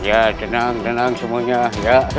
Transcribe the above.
ya tenang tenang semuanya